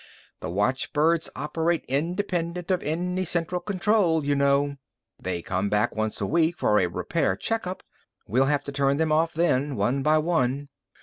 "The watchbirds operate independent of any central control, you know. They come back once a week for a repair checkup. We'll have to turn them off then, one by one."